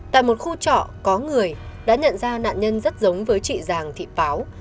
tại một khu trọ có người đã nhận ra nạn nhân rất giống với chị giàng thị báo